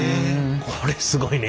これすごいね！